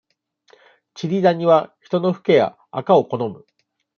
チリダニは、人のフケや、アカを好む。